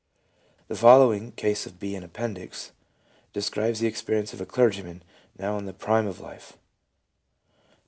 The following 2 (case of B. in appendix) describes the expe rience of a clergyman now in the prime of life